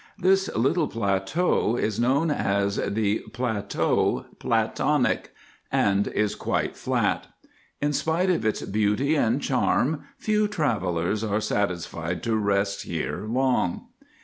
This little plateau is known as the Plateau Platonic and is quite flat. In spite of its beauty and charm few travellers are satisfied to rest here long.